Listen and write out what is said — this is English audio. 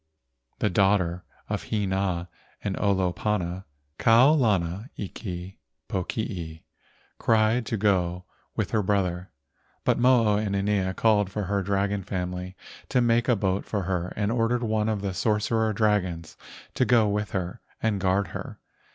The daughter of Hina and Olopana, Kau lana iki pokii, cried to go with her brother, but Mo o inanea called for her dragon family to make a boat for her and ordered one of the sorcerer dragons to go with her and guard her.